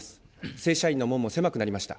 正社員の門も狭くなりました。